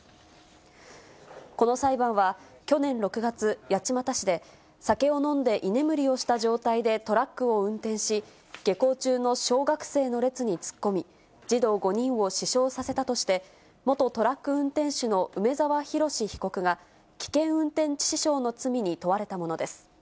この裁判は、去年６月、八街市で酒を飲んで居眠りをした状態でトラックを運転し、下校中の小学生の列に突っ込み、児童５人を死傷させたとして、元トラック運転手の梅沢洋被告が、危険運転致死傷の罪に問われたものです。